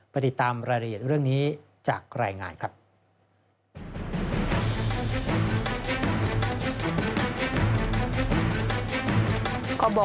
ติดตามรายละเอียดเรื่องนี้จากรายงานครับ